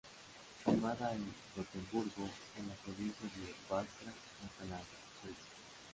Filmada en Gotemburgo, en la Provincia de Västra Götaland, Suecia.